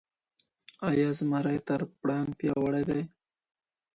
آیا زمری تر پړانګ پیاوړی دی؟